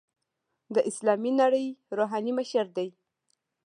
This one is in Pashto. د اسلامي نړۍ روحاني مشر دی.